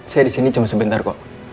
saya disini cuma sebentar kok